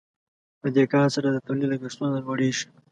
په دې کار سره د تولید لګښتونه لوړیږي.